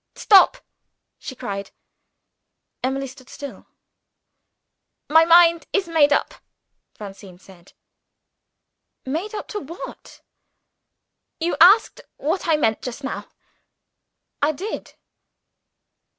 "Stop!" she cried. Emily stood still. "My mind is made up," Francine said. "Made up to what?" "You asked what I meant, just now." "I did."